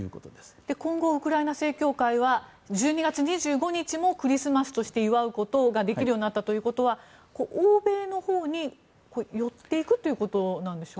今後、ウクライナ正教会は１２月２５日もクリスマスとして祝うことができるということは欧米のほうに寄っていくということなんでしょうか。